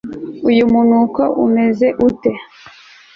uyu munuko umeze ute